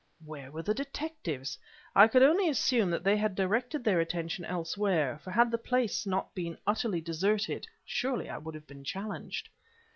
Where were the detectives? I could only assume that they had directed their attention elsewhere, for had the place not been utterly deserted, surely I had been challenged.